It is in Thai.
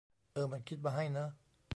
เออ มันคิดมาให้เนอะ